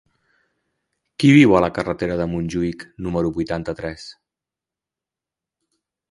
Qui viu a la carretera de Montjuïc número vuitanta-tres?